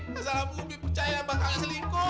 kasar aku mi percaya bakal selingkuh